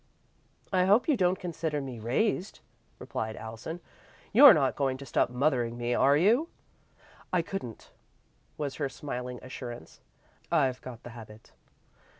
"I hope you don't consider me 'raised,'" replied Allison. "You're not going to stop 'mothering' me, are you?" "I couldn't," was her smiling assurance. "I've got the habit."